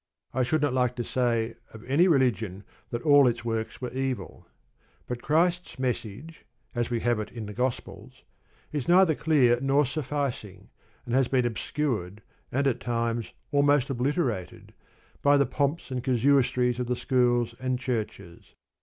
I should not like to say of any religion that all its works were evil. But Christ's message, as we have it in the Gospels, is neither clear nor sufficing, and has been obscured, and, at times almost obliterated, by the pomps and casuistries of the schools and churches.